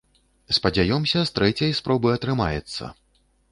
Спадзяёмся, з трэцяй спробы атрымаецца.